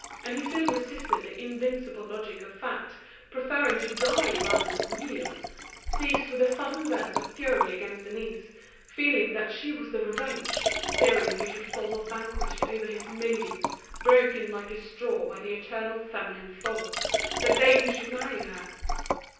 And he still resisted the invincible logic of facts, preferring to die rather than yield, seized with sudden bursts of fury against Denise, feeling that she was the revenge, fearing he should fall vanquished over his millions, broken like a straw by the eternal feminine force, the day he should marry her.